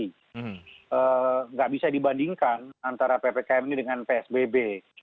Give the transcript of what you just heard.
tidak bisa dibandingkan antara ppkm ini dengan psbb